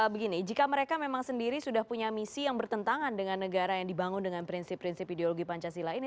begini jika mereka memang sendiri sudah punya misi yang bertentangan dengan negara yang dibangun dengan prinsip prinsip ideologi pancasila ini